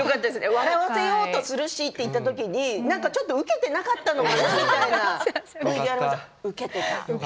笑わせようとするしと言った時になんかちょっとウケていなかったのかなみたいなよかった。